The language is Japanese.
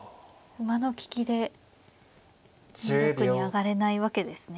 馬の利きで２六に上がれないわけですね。